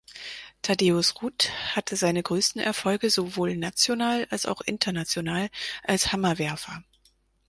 Tadeusz Rut hatte seine größten Erfolge sowohl national als auch international als Hammerwerfer.